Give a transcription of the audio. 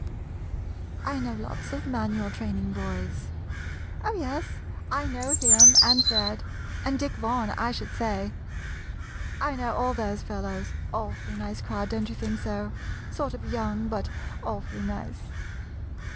I know lots of Manual Train ing boys. Oh, yes, I know him, and Fred, and Dick Vaughan, I should say. I know all those fellows — awfully nice crowd, don't you think so? Sort of young, but awfully nice!